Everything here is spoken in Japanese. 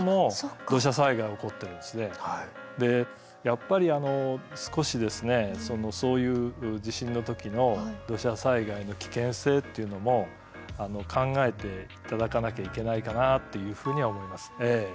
でやっぱり少しそういう地震の時の土砂災害の危険性っていうのも考えて頂かなきゃいけないかなっていうふうには思います。